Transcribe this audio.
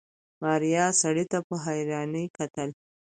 ماريا سړي ته په حيرانۍ کتل.